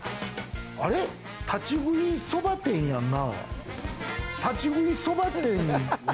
あれ、立ち食いそば店やんな。